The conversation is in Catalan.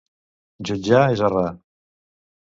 Jutjar és errar.